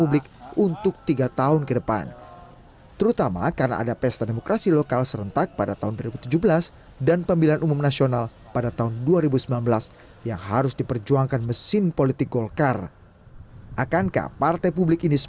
lu menurut saya gak pas